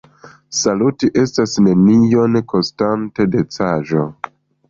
Saluti estas nenion kostanta decaĵo.